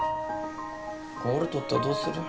これ折れとったらどうする？